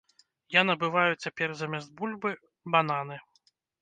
Я набываю цяпер замест бульбы бананы!